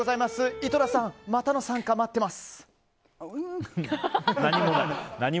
井戸田さんまたの参加待ってます。